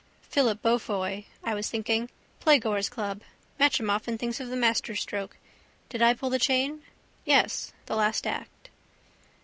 Philip Beaufoy I was thinking. Playgoers' Club. Matcham often thinks of the masterstroke. Did I pull the chain? Yes. The last act.